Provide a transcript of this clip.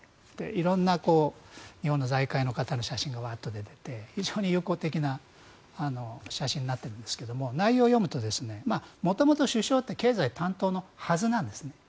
色んな日本の財界の方の写真がワーッと出ていて非常に友好的な写真になっているんですが内容を読むと元々、首相って経済担当のはずなんですね。